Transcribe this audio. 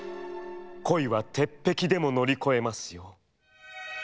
恋は鉄壁でも乗り越えますよ」。